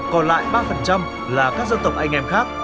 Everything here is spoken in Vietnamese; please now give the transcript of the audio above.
còn lại ba là các dân tộc anh em khác